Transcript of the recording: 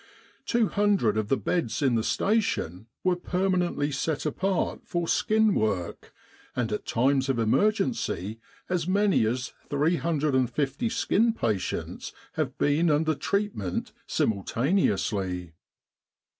Two hundred of the beds in the Station were permanently set apart for skin work, and at times of emergency as many as 350 skin patients have been under treatment simultaneously.